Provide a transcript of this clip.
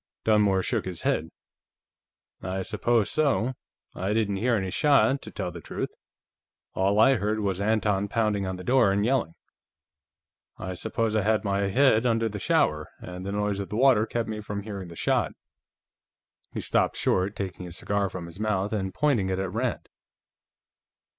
Dunmore shook his head. "I suppose so. I didn't hear any shot, to tell the truth. All I heard was Anton pounding on the door and yelling. I suppose I had my head under the shower, and the noise of the water kept me from hearing the shot." He stopped short, taking his cigar from his mouth and pointing it at Rand.